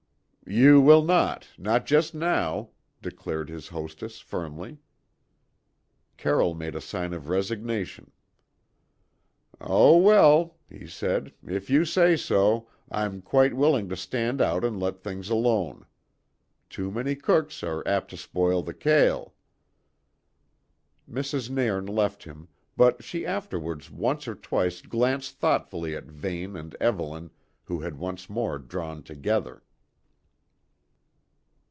"Ye will not, no just now," declared his hostess firmly. Carroll made a sign of resignation. "Oh, well," he said, "if you say so, I'm quite willing to stand out and let things alone. Too many cooks are apt to spoil the kail." Mrs. Nairn left him, but she afterwards once or twice glanced thoughtfully at Vane and Evelyn, who had once more drawn together.